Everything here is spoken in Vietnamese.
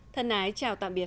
thân ái chào tạm biệt